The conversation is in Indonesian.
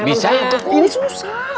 bisa ya ini susah